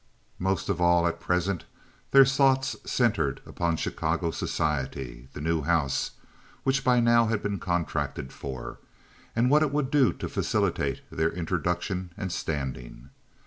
Most of all at present their thoughts centered upon Chicago society, the new house, which by now had been contracted for, and what it would do to facilitate their introduction and standing.